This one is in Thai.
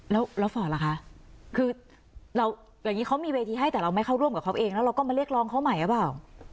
แล้วฟอร์ตล่ะคะคือเราอย่างนี้เขามีเวทีให้แต่เราไม่เข้าร่วมกับเขาเองแล้วเราก็มาเรียกร้องเขาใหม่หรือเปล่า